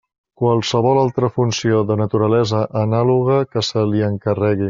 Qualsevol altra funció de naturalesa anàloga que se li encarregui.